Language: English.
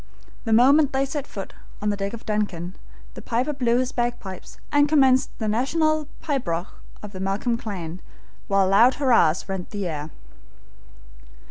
The moment they set foot on the deck of the DUNCAN, the piper blew his bagpipes, and commenced the national pibroch of the Malcolm clan, while loud hurrahs rent the air.